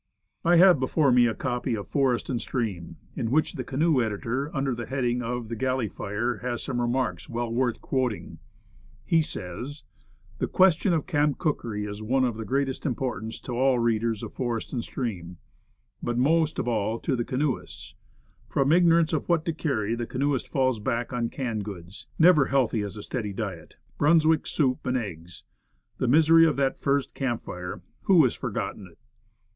I have before me a copy of Forest and Stream, in which the canoe editor, under the heading of "The Galley Fire," has some remarks well worth quoting. He says: "The question of camp cookery is one of the greatest importance to all readers of Forest and Stream, but most of all to the canoeists and the Corinthian sailor. From ignorance of what to carry, the canoeist falls back on canned goods, never healthy as a steady diet, Brunswick soups and eggs. The misery of that first camp fire, who has forgotten it?